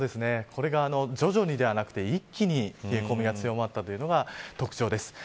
これが徐々にではなくて一気に冷え込みが強まったというのが特徴です。